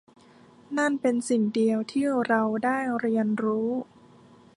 นั่นเป็นสิ่งเดียวที่เราได้เรียนรู้